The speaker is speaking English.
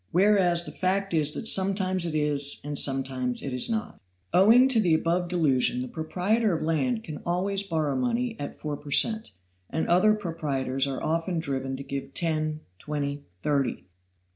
Whereas the fact is that sometimes it is and sometimes it is not. Owing to the above delusion the proprietor of land can always borrow money at four per cent, and other proprietors are often driven to give ten twenty thirty.